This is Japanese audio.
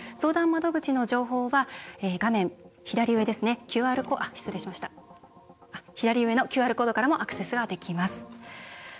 相談窓口の情報は画面左上のＱＲコードからもアクセスできます。